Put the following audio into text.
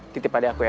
titip adek aku ya